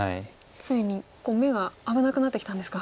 ついに眼が危なくなってきたんですか。